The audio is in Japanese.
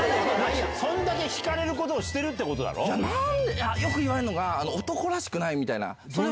そんだけ引かれることをしてなんで、よく言われるのが、男らしくないみたいな。